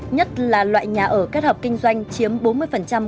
nhất là loại nhà ở kết hợp kinh doanh chiếm bốn tỷ đồng